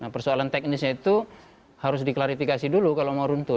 nah persoalan teknisnya itu harus diklarifikasi dulu kalau mau runtuh